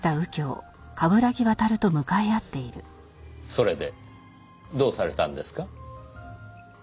それでどうされたんですか？